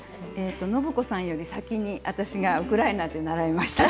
暢子さんより先に私がウクライナで習いました。